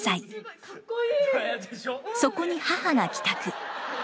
そこに母が帰宅。